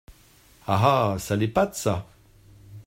Ah ! ah ! ça l’épate, ça !…